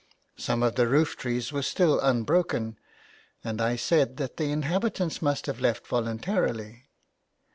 Some of the roof trees were still un broken, and I said that the inhabitants must have left voluntarily.